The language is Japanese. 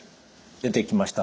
出てきました